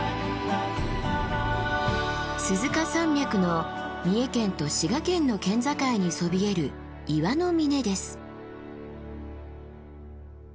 鈴鹿山脈の三重県と滋賀県の県境にそびえる岩の峰です。